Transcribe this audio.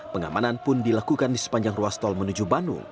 pengamanan pun dilakukan di sepanjang ruas tol menuju bandung